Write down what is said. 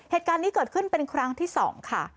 เหตุการณ์นี้เกิดขึ้นเป็นครั้งที่๒ค่ะ